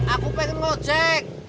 aku pengen ngojek